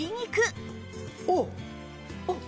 おっ！